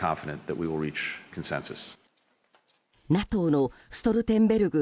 ＮＡＴＯのストルテンベルグ